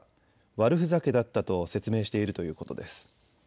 悪ふざけだったと説明しているということです。